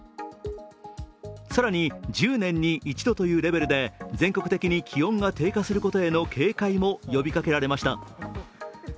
更に１０年に一度というレベルで全国的に気温が低下することへの警戒も呼びかけられました。